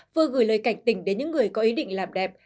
vừa gửi lời cảnh tỉnh đến những người có ý định làm đẹp